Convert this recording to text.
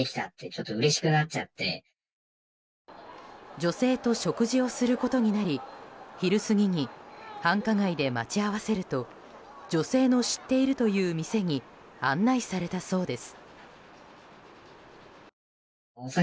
女性と食事をすることになり昼過ぎに繁華街で待ち合わせると女性の知っているという店に案内されたそうです。